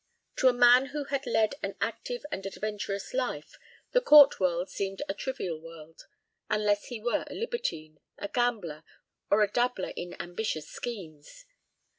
To a man who had led an active and adventurous life the court world seemed a trivial world, unless he were a libertine, a gambler, or a dabbler in ambitious schemes.